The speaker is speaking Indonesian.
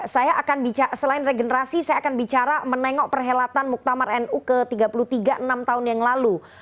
saya akan bicara selain regenerasi saya akan bicara menengok perhelatan muktamar nu ke tiga puluh tiga enam tahun yang lalu